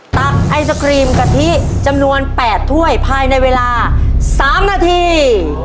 ตักไอศครีมกะทิจำนวน๘ถ้วยภายในเวลา๓นาที